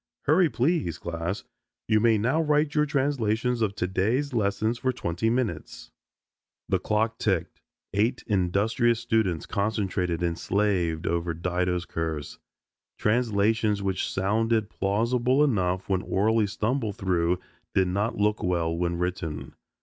"Hurry, please, class. You may now write your translations of today's lesson for twenty minutes." The clock ticked, eight industrious students concentrated and slaved over Dido's curse. Translations which sounded plausible enough when orally stumbled through did not look well when written.